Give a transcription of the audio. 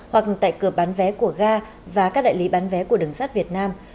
hoặc tại cửa bán vé của ga và các đại lý bán vé của đường sắt việt nam